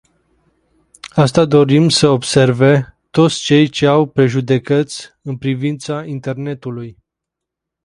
Asta dorim să observe toți cei ce au prejudecăți în privința internetului.